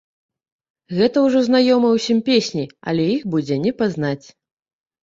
Гэта ўжо знаёмыя ўсім песні, але іх будзе не пазнаць.